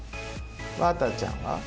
ワタちゃんは？